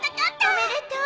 おめでとう！